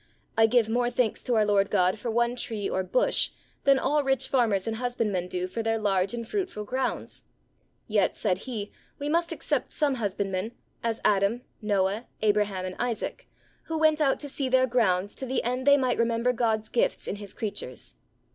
I give more thanks to our Lord God for one tree or bush than all rich farmers and husbandmen do for their large and fruitful grounds. Yet, said he, we must except some husbandmen, as Adam, Noah, Abraham, and Isaac, who went out to see their grounds, to the end they might remember God's gifts in his creatures.